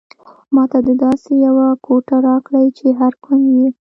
ماته داسې یوه کوټه راکړئ چې هر کونج یې.